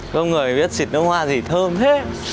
không người biết xịt nước hoa gì thơm thế